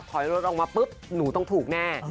ถอยรถออกมาปุ๊บหนูต้องถูกแน่